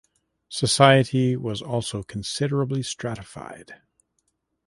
Society was also considerably stratified.